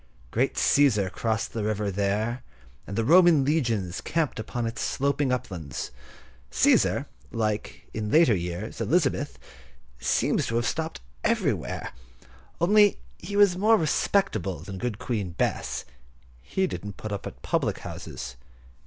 Great Cæsar crossed the river there, and the Roman legions camped upon its sloping uplands. Cæsar, like, in later years, Elizabeth, seems to have stopped everywhere: only he was more respectable than good Queen Bess; he didn't put up at the public houses.